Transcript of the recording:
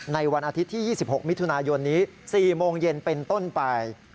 ในวันอาทิตย์ที่๒๖มิถุนายนนี้๔โมงเย็นเป็นต้นไป